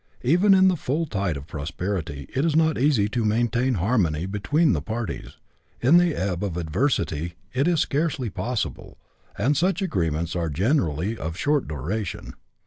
Even in the full tide of prosperity it is not easy to maintain harmony between the parties; in the ebb of adversity it is scarcely possible; and such agreements are generally of short duration.